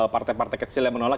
partai partai kecil yang menolak